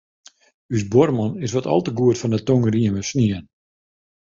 Us buorman is wat al te goed fan 'e tongrieme snien.